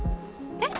えっ？